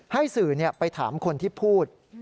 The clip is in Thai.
ให้สื่อไปถามคนที่พูด